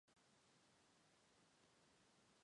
成为日本帝国陆军航空队所属的飞行员。